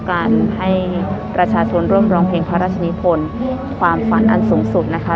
การให้ประชาชนร่วมร้องเพลงพระราชนิพลความฝันอันสูงสุดนะคะ